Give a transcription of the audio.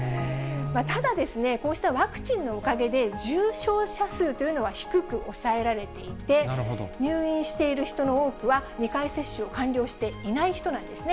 ただ、こうしたワクチンのおかげで重症者数というのは低く抑えられていて、入院している人の多くは、２回接種を完了していない人なんですね。